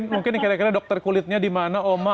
mungkin kira kira dokter kulitnya di mana oma